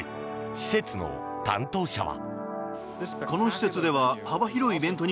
施設の担当者は。